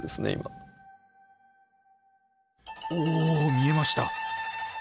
おお見えました！